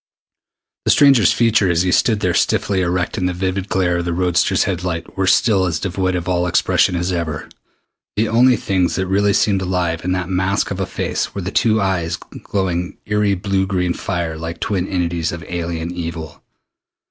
The stranger's features as he stood there stiffly erect in the vivid glare of the roadster's headlights were still as devoid of all expression as ever. The only things that really seemed alive in that masque of a face were the two eyes, glowing eery blue green fire like twin entities of alien evil.